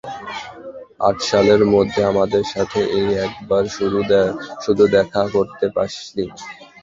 আট সালের মধ্যে আমাদের সাথে এই একবার শুধু দেখা করতে আসলি।